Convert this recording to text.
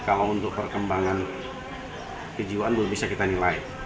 kalau untuk perkembangan kejiwaan belum bisa kita nilai